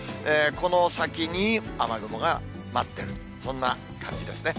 この先に雨雲が待ってる、そんな感じですね。